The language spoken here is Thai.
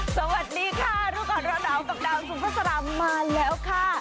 สวัสดีค่ะรุกรรมรดาวกับดาวสุภาษาลัมน์มาแล้วค่ะ